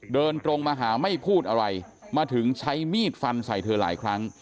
เดินตรงมาหาไม่พูดอะไรมาถึงใช้มีดฟันใส่เธอหลายครั้ง